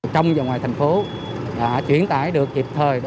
trong và ngoài thành phố đã chuyển tải được kịp thời